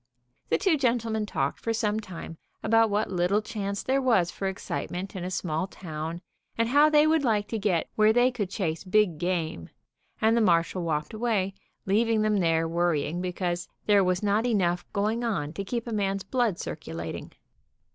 The two gentlemen talked for some time about what little chance there was for excitement in a small town, and how they would like to get where they could chase big game, and the marshal walked away, leaving them there worrying because there was not enough going on to keep a man's blood circulating.